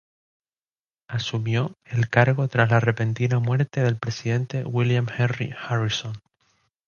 Asumió el cargo tras la repentina muerte del presidente William Henry Harrison.